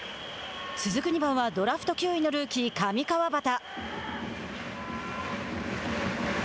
続く２番はドラフト９位のルーキー、上川畑。